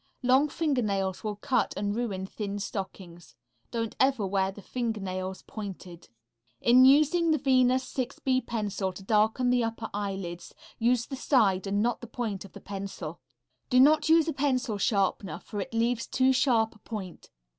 Long fingernails will cut and ruin thin stockings. Don't ever wear the fingernails pointed. In using the 6B Venus pencil to darken the upper eyelid, use the side and not the point of the pencil. Do not use a pencil sharpener, for it leaves too sharp a point.